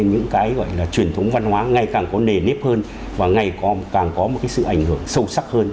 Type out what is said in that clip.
những cái gọi là truyền thống văn hóa ngày càng có nề nếp hơn và ngày càng có một cái sự ảnh hưởng sâu sắc hơn